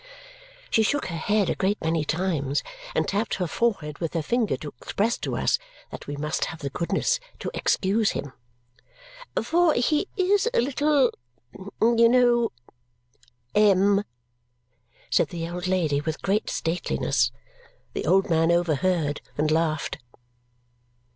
She shook her head a great many times and tapped her forehead with her finger to express to us that we must have the goodness to excuse him, "For he is a little you know M!" said the old lady with great stateliness. The old man overheard, and laughed.